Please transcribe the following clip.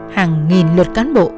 hàng nghìn lượt cán bộ